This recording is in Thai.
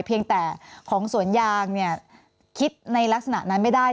เพียงแต่ของสวนยางเนี่ยคิดในลักษณะนั้นไม่ได้